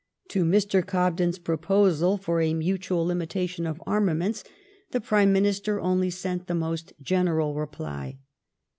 To Mr. Gobden's proposal for a matnal limitation of armament the Prime Minister only sent the most general reply.